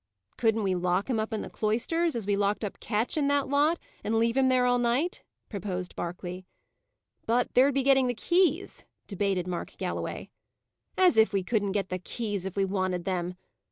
"Couldn't we lock him up in the cloisters, as we locked up Ketch, and that lot; and leave him there all night?" proposed Berkeley. "But there'd be getting the keys?" debated Mark Galloway. "As if we couldn't get the keys if we wanted them!"